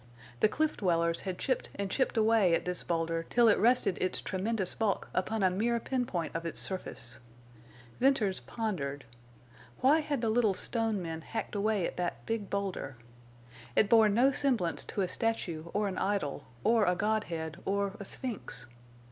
The cliff dwellers had chipped and chipped away at this boulder till it rested its tremendous bulk upon a mere pin point of its surface. Venters pondered. Why had the little stone men hacked away at that big boulder? It bore no semblance to a statue or an idol or a godhead or a sphinx.